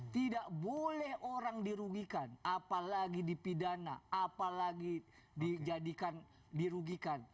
tidak boleh orang dirugikan apalagi di pidana apalagi dirugikan